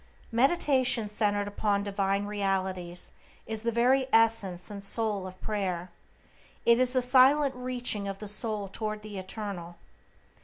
Meditation centered upon divine realities is the very essence and soul of prayer. It is the silent reaching of the soul toward the Eternal.